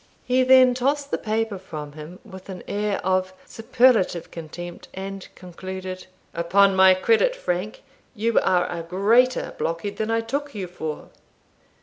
He then tossed the paper from him with an air of superlative contempt, and concluded "Upon my credit, Frank, you are a greater blockhead than I took you for."